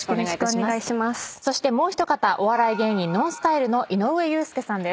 そしてもう一方お笑い芸人ＮＯＮＳＴＹＬＥの井上裕介さんです。